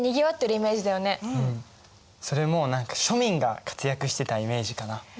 それも何か庶民が活躍してたイメージかな。